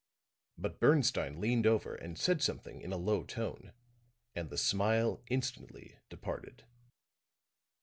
But Bernstine leaned over and said something in a low tone; and the smile instantly departed.